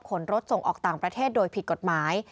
ขนรถส่งออกต่างประเทศโดยผิดกฎหมาย